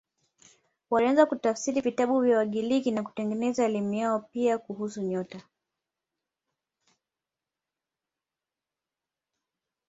Walianza kutafsiri vitabu vya Wagiriki na kuendeleza elimu yao, pia kuhusu nyota.